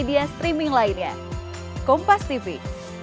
dari myana sampai pulau